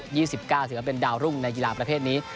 ถือว่าเป็นดาวรุ่งในกีฬาประเภทนี้